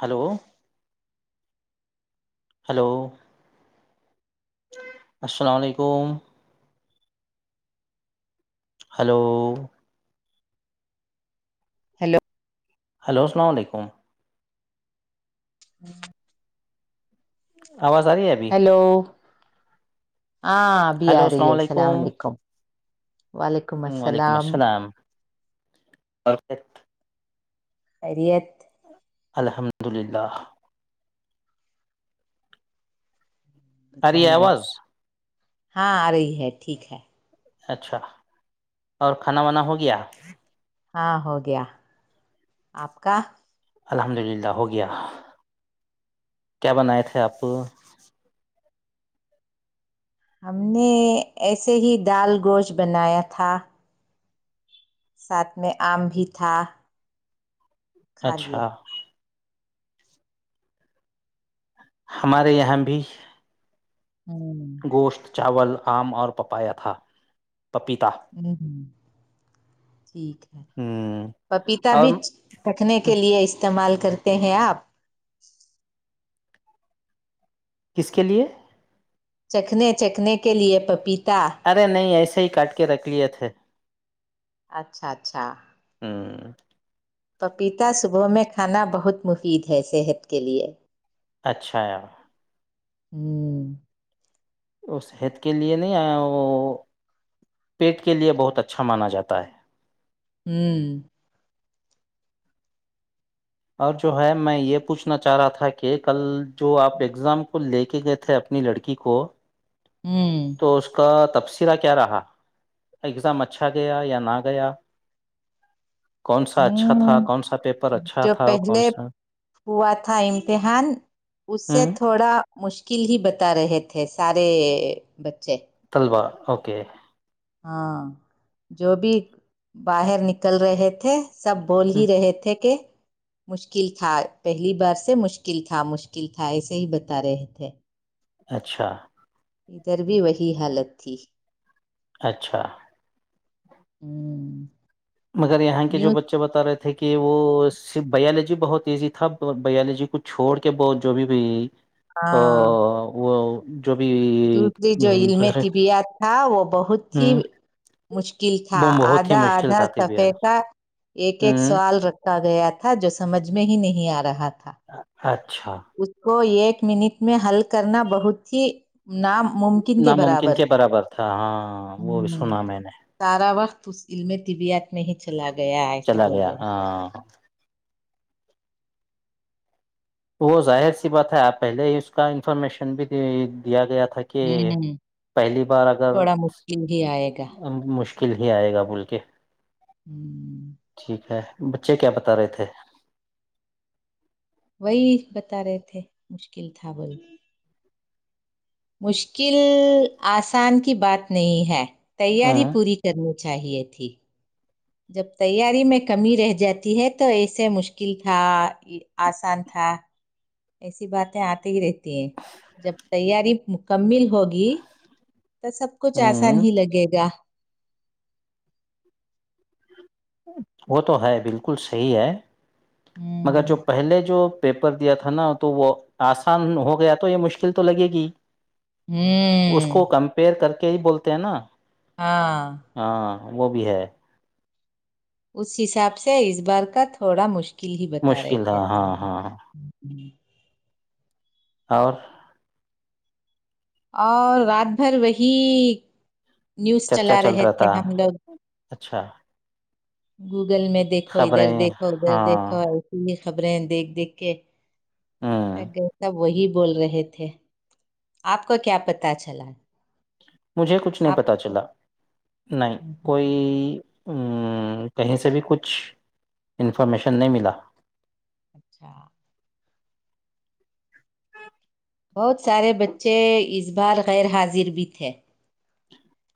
Hello hello السلام علیکم hello hello hello السلام علیکم ہی آواز آ رہی ہے ابھی ہاں ابھی آ رہی ہے السلام علیکم وعلیکم السلام اورفت خریت الحمد للہ اری بتائیے آواز ہاں آ رہی ہے ٹھیک ہے اچھا اور کھانا وانا ہو گیا ہاں ہو گیا آپ کا الحمد للہ ہو گیا کیا بنائے تھے آپ ہم نے ایسے ہی دال گوشت بنایا تھا ساتھ میں آم بھی تھا کھا لیا اچھا ہمارے یہاں بھی ہ گوشت چاول آم اور پپایا تھا پپیتا ا ہ ٹھیک ہے ہ پپیتا بھی اور چکھنے کے لیے استعمال کرتے ہیں آپ کس کے لیئے چکھنے چکھنے کے لیئے پپیتے ارے نہیں ایسے ہی کاٹ کے رکھ لیے تھے اچھا اچھا ہاں پپیتا صبح میں کھانا بہت مفید ہے صحت کے لیئے اچھا ہوں وہ صحت کے لئے نہیں وہ پیٹ کے لئے بہت اچھا مانا جاتا ہے ہوں اور جو ہے میں یہ پوچھنا چاہ رہا تھا کہ کل جو آپ ایگزام کو لے کے گئے تھے اپنی لڑکی کو ہوں تو اس کا تبصرہ کیا رہا اگزام اچھا گیا یا نہ گیا کون سا اچھا ہوں کون سا پیپر اچھا جو تھا کون پہلے سا ہوا تھا امتحان اس ہ سے تھوڑا مشکل ہی بتا رہے تھے سارے بچے وا اوکے ہاں جو بھی باہر نکل رہے تھے سب بول ہوں، ہی رہے تھے کہ مشکل تھا پہلی بار سے مشکل تھا مشکل تھا ایسے ہی بتا رہے تھے اچھا ادھر بھی وہی حالت تھی اچھا ہوں مگر یہاں کے جو نیوز بچے بتا رہے تھے تھے کہ وہ بیالوجی بہت ایزی تھا بیالوجی کو چھوڑ کے ب جو بھی بھی ا ہاں وہ جو بھی دوسری جو علم دوسرے طبیات تھا وہ بہت ہ ہی مشکل تھا وہ بہت ہی آدھا مشکل آدھا تھا سف طبیہ کا ایک ایک ہوں سوال رکھ گیا تھا جو سمجھ میں ہی نہیں آ رہا تھا اچھ اچھا اس کو ایک منٹ میں حل کرنا بہت ہی ن ممکن کے ناممکن برابر کے تھا ہاں وہ بھی ہ سنا میں نے سارا وقت اس علم طبییات میں ہی چلا گ چلا گیا ہاں وہ ظاہر سی بات ہے آپ پہلے ہی اس کا انفارمیشن بھی دیا گیا تھا تھا کہ ہوں پہلی بار اگر تھوڑا مشکل ہی آئے گا مشکل کل ہی آئے گا بول کے ہوں ٹھیک ہے بچے کیا بتا رہے تھے وہی بتا رہے تھے مشکل تھا بول مشکل آسان کی بات نہیں ہے تیاری ہوں پوری کرنی چاہیے تھی جب تیاری میں کمی رہ جاتی ہے تو ایے مشکل تھا آسان تھا ایسی باتیں آتے ہی رہتی ہیں جب تیاری مکمل ہوگی تو سب کچھ آسان ہوں ہی لگے گا وہ تو ہے بالکل صحی ہے مگر ہوں جو پہلے جو پیپر دیا تھا نا تو وہ آسان ہو گیا تو یہ مشکل تو لگے گی اس ہوں کو کمپیئر کرتے کہ ہی بولتے ہیں نا ہاں ہاں وہ بھی ہے اس حساب سے اس بار کا تھوڑا مشکل کل ہی بتا رہے مشکل تھا تھے ہاں سار ہاں اور اور رات بھر وہی نیوز چرچا چلا چل رہے رہا تھے تھا ہم اچھا گی گوگل میں دیکھو ادھر خبریں دیکھو ادھر ہاں دھو آی خبریں ہیں دیکھ دیکھ کے ہوں یسا وہی بول رہے تھے آپ کو کیا پتا چلا مجھے کچھ نہیں آپ پتا کو چلا نہیں کوئی ہم، کہیں سے بھی کچھ انفارمیشن نہیں ملا اچھا بہت سارے بچے اس بار غیر حاضر بھی تھے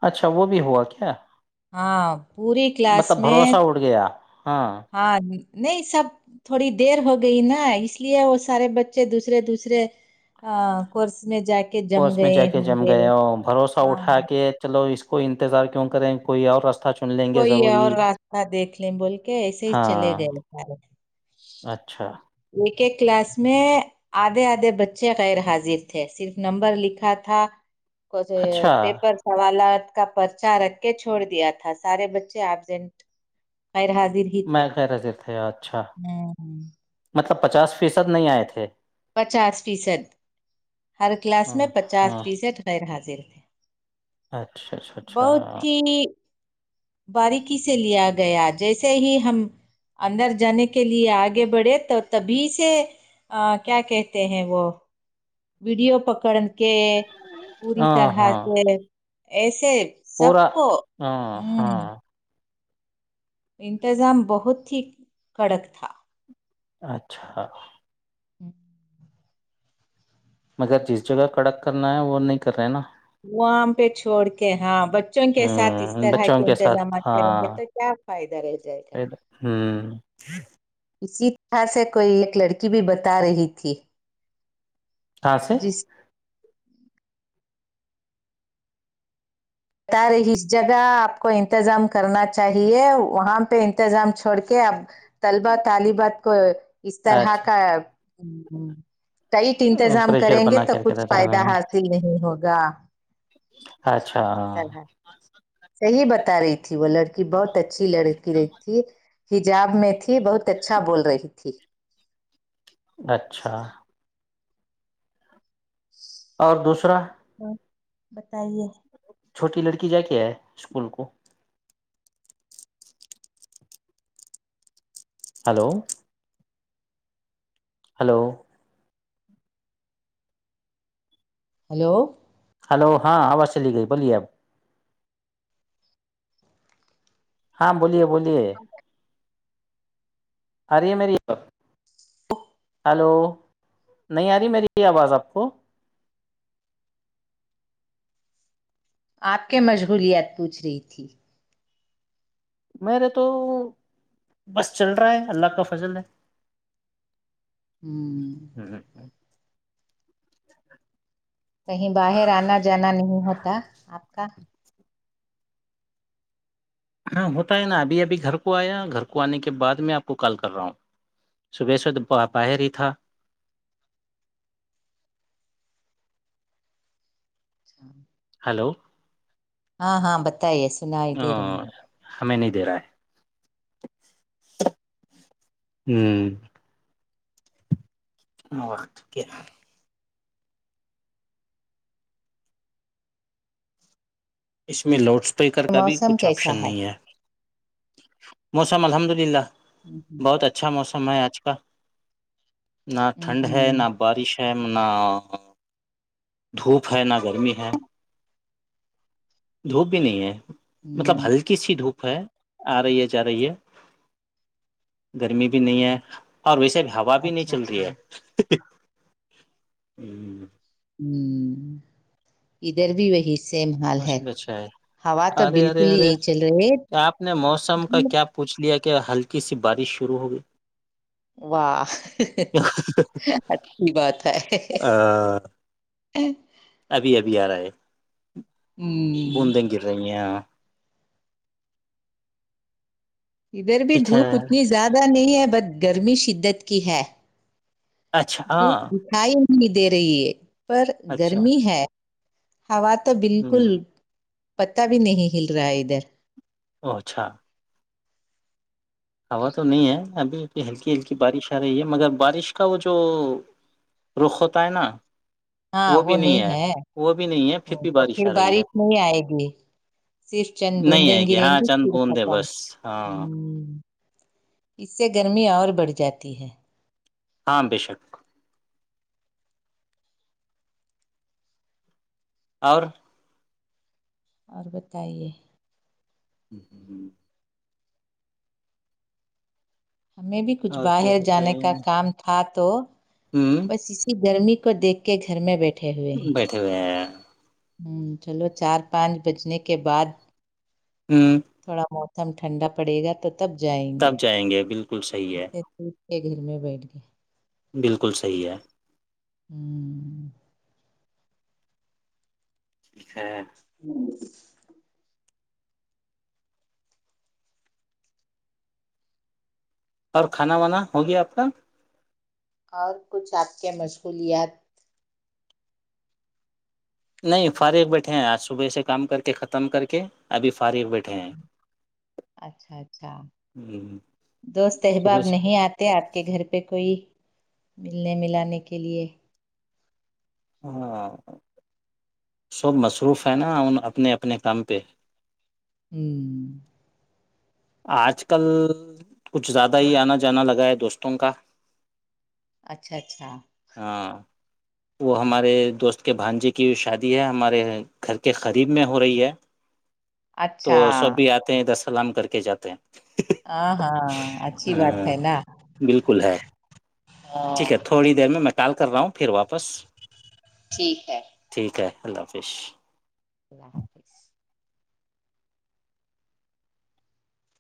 اچھا وہ بھی ہوا کیا ہاں پوری کلاس مطلب میں بھروسہ اٹھ گیا ہاں نہیں سب تھوڑی دیر ہو گئی نا اس لیے وہ سارے بچے دوسرے دوسرے کورس میں جا کے جم کس میں جا گئے کے ہوں جم گے گئے ہو بھروسہ ہاں اٹھا کے چلو اس کوئی انتظار کیوں کریں کوئی اور رستہ کوئی اور راستہ دیکھ لیں بول کے ایسے ہی چلے ہاں گئے سارے اچھا ایک ایک کلاس میں آدھے آدھے بچے غیر حاضر تھے صرف نمبر لکھا تھا کھ اچھا پیپر سوالات کا پرچا رکھ کے چھوڑ دیا تھا سارے بچے ایبزینٹ خیر حاضر ہی تھے میں غیر حاضر تھے اچھا ہ مطلب پچاس فیصد نہیں آئے تھے پچاس فیصد ہر کلاس ہاں میں پچاس ہاں فیصد غیر حاضر تھے اچھا اچھا اچھا بہت ہی باریکی سے لیا گیا جیسے ہی ہم اندر جانے کے لیے آگے بڑھے تو تبھی سے کیا کہتے ہیں وہ ویڈیو پکڑ کی کہ پوری ہاں طرح ہاں سے ایس سب پورا کو ہ ہاں ہاں انتظام بہت ہی کڑک تھا اچھا ہ مگر جس جگہ کڑک کرنا ہے وہ نہیں کر رہے نا وہام پہ چھوڑ کے ہاں بچوں کے ساتھ اس ہ طرح کے بچوں ساتھ انتظامات کریں ہاں گے تو کیا فائدہ رہ جائے گا ہ اسی یہاں سے کوئی ایک لڑکی بھی بتا رہی تھی آاں سے جس بتا رہے اس جگہ آپ کو انتظام کرنا چاہیے وہاں پہ انتظام چھوڑ کے اب طلبہ طالبات کو اس طرح کا ٹائٹ اچھا انتظام پریشر کریں گے بنا تو کر کے کچھ رہتا فائدہ ہے حاصل نہیں ہوگا گ اچھا سر ہےاں صحیح بتا رہی تھی وہ لڑکی بہت اچھی لڑکی رہی تھی حجاب میں تھی بہت اچھا بول رہی تھی اچھا اور دوسرا ہاں بتائیے چھوٹی لڑکی جا کے آئے اسکول کو ہلو ہلو ہلو ہلو ہاں آواز چلی گئی بولیے آپ ہاں بولیے بولیے اری مری دو ہیلو نہیں آ رہی میری یہ آواز آپ کو آپ کے مشغولیات پوچھ رہی تھی میرے تو بس چل رہا ہے اللہ کا فضل ہے ہوں کہیں باہر آنا جانا نہیں ہوتا آپ کا ہاں ہوتا ہے نا ابھی ابھی گھر کو آیا گھر کو آنے کے بعد میں آپ کو کال کر رہا ہوں صبح ص باہر ہی تھا اچھا ہلو ہاں ہاں بت ت یہ سن ہی دے رہا ہے ہمیں نہیں دے رہا ہے ہ ہق کیا اس میں لوڈس اسپیکر کا بھی موسم کچھ کیسا آپشن نہیں ہے موسام الحمد للہ ہوں بہت اچھا موسم سما آج کال نہ ہوں ٹھنڈ ہے ہوں نہ بارش م نہ دھوپ ہے نہ گرمی ہے دھوپ بھی نہیں ہے مطلب ہلکی سی دھوپ ہے آ رہی ہے جا رہی ہے گرمی بھی نہیں ہے اور ویسے بھی ہوا بھی نہیں اچھا چل اچھا رہی ہے ہوں ہ ادھر بھی وہی سیم حال ہے موسم اچھا ہے ہوا تو ارے ارے بالکل ہی ارے نہیں چل رہے آپ نے موسم کا کیا پوچھ لیا کیا ہلکی سی بارش شروع ہو گئی واہ اچھی بات ہے ہوں ابھی ابھی آ رہا ہے ہمم بوندیں گر رہی ہیں ہاں ادھر بھی ٹھیک ہے دھوپ اتنی زیادہ نہیں ہے بت گ گرمی شدت کی ہے اچھا دھوپ ہاں دکھائی نہیں دے رہی ہے پر اچھا گرمی ہے ہوا تو بالکل ہوں پتا بھی نہیں ہل رہا ہے ادھر او اچھا ہوا تو نہیں ہے ابھی ابھی ہلکی ہلکی بارش آ رہی ہے مگر بارش کا وہ جو رخ ہوتا ہے نا ہاں وہ بھی نہیں ہے وہ بھی نہیں ہے بھی تو پھر آ رہی ہے بارش نہیں آئے گی صرف چند نہیں دندیں آئے گریں ہاں گی چند پھر بوندے ختم ہ بس ہاں اس سے گرمی اور بڑھ جاتی ہے ہاں بے شک اور اور بتائیے ہ ہ ہ ہمیں بھی کچھ اور کیا باہر جانے بتائیے کا کام تھا تو ہوں بس اسی گرمی کو دیکھ کے گھر میں بیٹھے بیٹھے ہوئے ہیں ہ چلو چار پانچ بجنے کے بعد ہ تھوڑا بہت ایک دم ٹھنڈ پڑ گا تو تب جائیں تب جائیں گے بالکل صحیح ہے ایک گھر میں بیٹھ گئے بالکل صحیح ہے ہوں ٹیک ہے اور کھانا وانا ہوگیا آپ کا اور کچھ آپ کے مشغولیات نہیں فارغ بیٹھے ہیں آج صبح سے کام کر کے ختم کر کے ابھی فارغ بیٹھے ہیں اچھا اچھا ہ دوست احباب صبح سے۔ نہیں آتے آپ کے گھر پہ کوئی ملنے ملانے کے لیے ہاں سب مصروف ہیں نا ان اپنے اپنے کام پہ ہوں آج کل کچھ زیادہ ہی آنا جانا لگا ہے دوستوں کا اچھا اچھا ہاں وہ ہمارے دوست کے بھانجے کی شادی ہے ہمارے گھر کے قریب میں ہو رہی ہے اچھا تو سب بھی آتے ہیں دس سلام کر کے کے جاتے ہیں ہاں ہاں اچھی بات ہاں ہے نا بالکل ہے ٹھیک ہے ہاں تھوڑی دیر میں م ٹال کر رہا ہوں پھر واپس ٹھیک ہے ٹھیک ہے اللہ حافظ اللہ حافظ